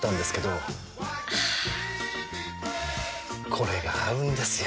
これが合うんですよ！